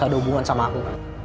ada hubungan sama aku